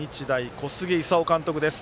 小菅勲監督です。